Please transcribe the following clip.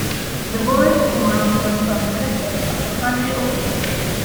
The Word "Ummah" differs from the concept of a country or people.